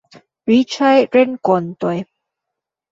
Riĉaj renkontoj.